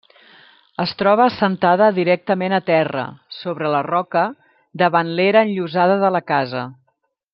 Es troba assentada directament a terra, sobre la roca, davant l'era enllosada de la casa.